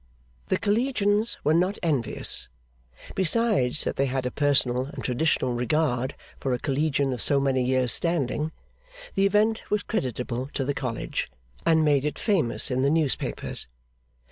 The Collegians were not envious. Besides that they had a personal and traditional regard for a Collegian of so many years' standing, the event was creditable to the College, and made it famous in the newspapers.